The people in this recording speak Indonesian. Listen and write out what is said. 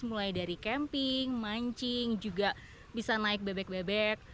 mulai dari camping mancing juga bisa naik bebek bebek